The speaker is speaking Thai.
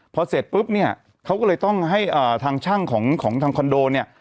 พอเสร็จปุ๊บเนี่ยเขาก็เลยต้องให้ทางช่างของทางคอนโดเนี่ย